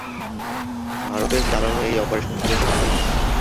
ভারতের চালানো এই অপারেশন ছিল সফল।